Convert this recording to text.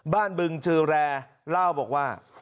บ้านบึงจือแลเล่าบอกว่า